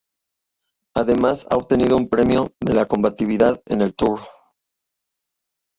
Además, ha obtenido un premio a la combatividad en el Tour.